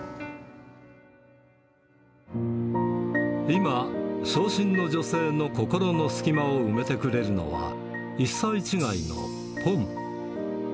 今、傷心の女性の心の隙間を埋めてくれるのは、１歳違いのぽん。